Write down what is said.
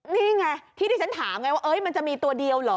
นี่ไงที่ที่ฉันถามไงว่ามันจะมีตัวเดียวเหรอ